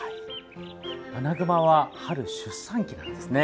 アナグマは春は出産期です。